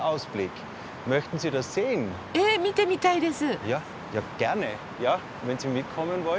え見てみたいです！